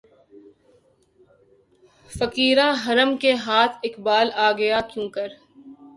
فقیران حرم کے ہاتھ اقبالؔ آ گیا کیونکر